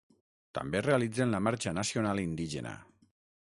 També realitzen la Marxa Nacional Indígena.